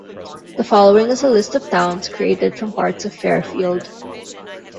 The following is a list of towns created from parts of Fairfield.